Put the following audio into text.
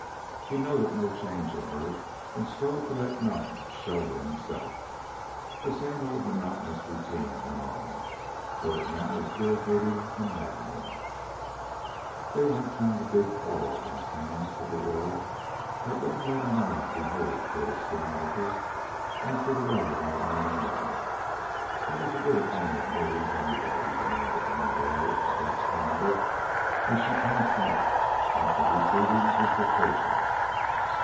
He noted no change in her, and strove to let none show in himself. The same old monotonous routine went on, though now it was irritating and maddening. Daylight found a big quarrel on his hands with a world that wouldn't let a man behave toward his stenographer after the way of all men and women. What was the good of owning millions anyway? he demanded one day of the desk calendar, as she passed out after receiving his dictation.